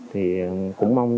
thì cũng mong